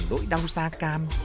đội đau sa cam